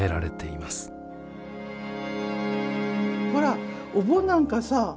ほらお盆なんかさ